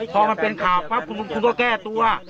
พอมันเป็นข่าวปั๊บคุณก็แก้ตัว